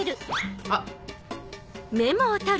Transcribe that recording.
あっ！